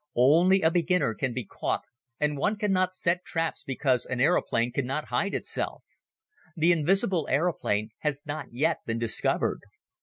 Only a beginner can be caught and one cannot set traps because an aeroplane cannot hide itself. The invisible aeroplane has not yet been discovered.